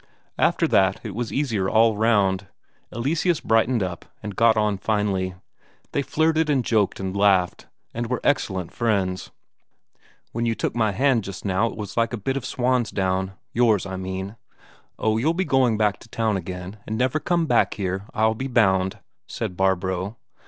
After that it was easier all round; Eleseus brightened up, and got on finely. They flirted and joked and laughed, and were excellent friends. "When you took my hand just now it was like a bit of swan's down yours, I mean." "Oh, you'll be going back to town again, and never come back here, I'll be bound," said Barbro.